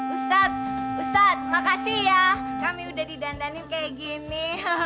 ustadz ustadz makasih ya kami udah didandanin kayak gini